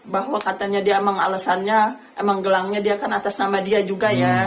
bahwa katanya dia memang alesannya memang gelangnya dia kan atas nama dia juga ya